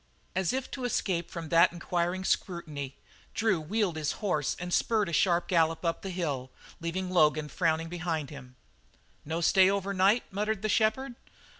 As if to escape from that inquiring scrutiny, Drew wheeled his horse and spurred at a sharp gallop up the hill, leaving Logan frowning behind. "No stay over night," muttered the shepherd.